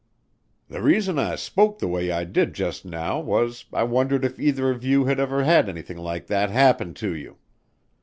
"The reason I spoke the way I did just now was I wondered if either one of you ever had anything like that happen to you.